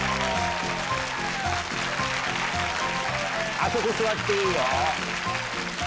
あそこ座っていいよ。